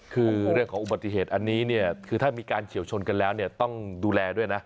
คือเรื่องของอุบัติเหตุอันนี้เนี่ยคือถ้ามีการเฉียวชนกันแล้วเนี่ยต้องดูแลด้วยนะ